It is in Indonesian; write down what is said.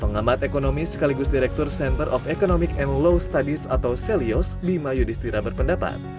pengamat ekonomi sekaligus direktur center of economic and law studies atau celios bima yudhistira berpendapat